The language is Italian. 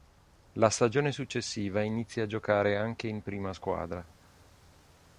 La stagione successiva inizia a giocare anche in prima squadra.